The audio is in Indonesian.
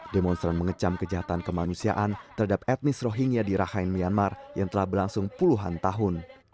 demonstran mengecam kejahatan kemanusiaan terhadap etnis rohingya di rakhine myanmar yang telah berlangsung puluhan tahun